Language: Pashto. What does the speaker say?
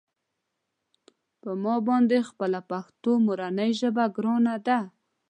په ما باندې خپله پښتو مورنۍ ژبه ګرانه ده.